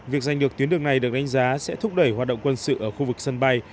việc giành được tuyến đường này được đánh giá sẽ thúc đẩy hoạt động quân sự ở khu vực sân bay